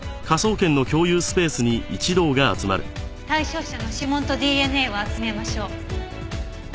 対象者の指紋とＤＮＡを集めましょう。